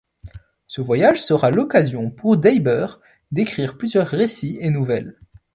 Ce voyage sera l'occasion pour Daiber d'écrire plusieurs récits et nouvelles.